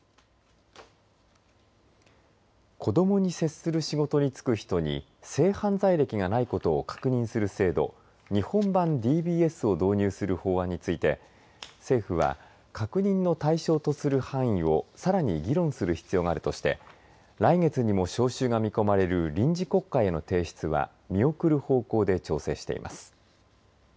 子どもに接する仕事に就く人に性犯罪歴がないことを確認する制度日本版ＤＢＳを導入する法案について政府は確認の対象とする範囲をさらに議論する必要があるとして来月にも召集が見込まれる臨時国会への提出は見送る方向で調整しています。